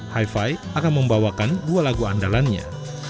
hi fi akan membawakan dua lagu andalannya